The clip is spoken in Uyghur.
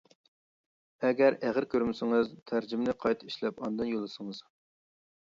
ئەگەر ئېغىر كۆرمىسىڭىز، تەرجىمىنى قايتا ئىشلەپ ئاندىن يوللىسىڭىز.